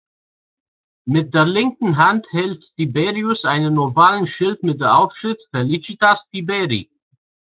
Mit der linken Hand hält Tiberius einen ovalen Schild mit der Aufschrift "Felicitas Tiberi".